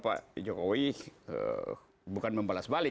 pak jokowi bukan membalas balik